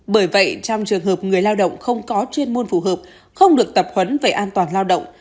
bởi vậy trong trường hợp người lao động không có chuyên môn phù hợp không được tập huấn về an toàn lao động